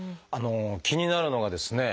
気になるのがですね